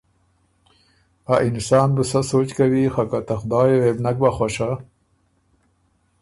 ا اِنسان بُو سۀ سوچ کوی خه که ته خدایه وې بو نک خوشه بۀ